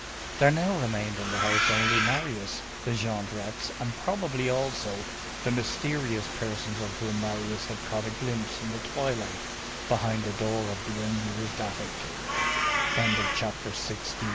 There now remained in the house only Marius, the Jondrettes and probably, also, the mysterious persons of whom Marius had caught a glimpse in the twilight, behind the door of the unused attic.